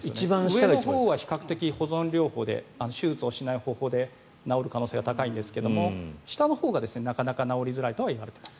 上のほうは比較的、保存療法で手術をしない方向で治る可能性があるんですが下のほうがなかなか治りづらいとは言われています。